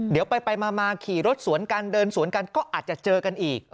เดี๋ยวไปมาขี่รถสวนกันเดินสวนกันก็อาจจะเจอกันอีก